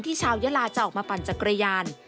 ที่เช้ายระจะออกมาปันจักรยาน